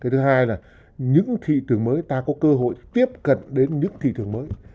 thứ hai là những thị trường mới ta có cơ hội tiếp cận đến những thị trường mới